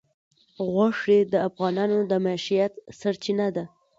غوښې د افغانانو د معیشت سرچینه ده.